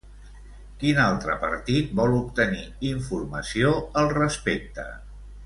Quin altre partit vol obtenir informació al respecte?